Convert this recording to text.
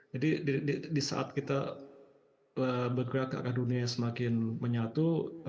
jadi di saat kita bergerak ke arah dunia yang semakin menyatu